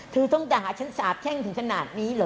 เธอต้องด่าฉันสาบแช่งถึงขนาดนี้เหรอ